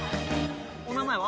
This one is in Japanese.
お名前は？